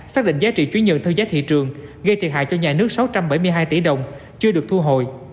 xác định giá trị chứng nhận theo giá thị trường gây thiệt hại cho nhà nước sáu trăm bảy mươi hai tỷ đồng chưa được thu hồi